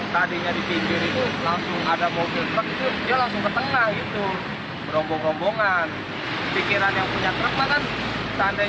kalau lagi pada pulang sekolah